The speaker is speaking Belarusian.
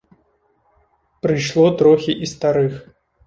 Прыйшло трохі і старых.